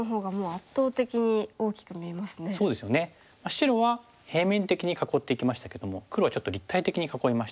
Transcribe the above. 白は平面的に囲っていきましたけども黒はちょっと立体的に囲いました。